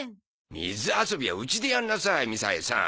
水遊びはうちでやんなさいみさえさん。